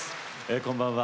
こんばんは。